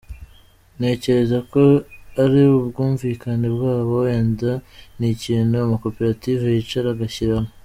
Ntekereza ko ari ubwumvikane bwabo wenda ni ikintu amakoperative yicara agashyiraho.